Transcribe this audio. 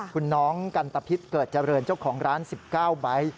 คุณน้องกันตะพิษเกิดเจริญเจ้าของร้าน๑๙ใบ